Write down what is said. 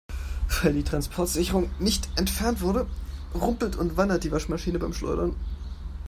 Weil die Transportsicherung nicht entfernt wurde, rumpelt und wandert die Waschmaschine beim Schleudern.